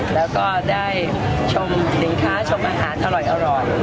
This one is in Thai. แล้วก็ได้ชมหริงข้าชมอาหารอร่อยเอาร่อน